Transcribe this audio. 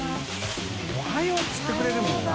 發「おはよう」って言ってくれるもんな。